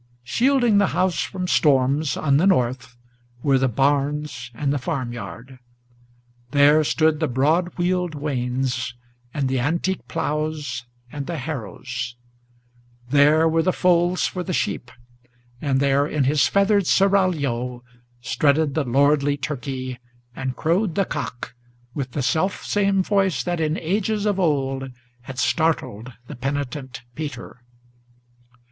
Shielding the house from storms, on the north, were the barns and the farm yard, There stood the broad wheeled wains and the antique ploughs and the harrows; There were the folds for the sheep; and there, in his feathered seraglio, Strutted the lordly turkey, and crowed the cock, with the selfsame Voice that in ages of old had startled the penitent Peter.